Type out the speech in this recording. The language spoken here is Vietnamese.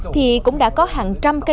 thì cũng đã có hàng trăm cây xanh